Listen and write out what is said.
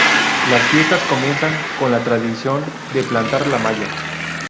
Las fiestas comienzan con la tradición de plantar la Maya.